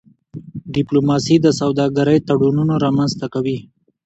ډيپلوماسي د سوداګرۍ تړونونه رامنځته کوي.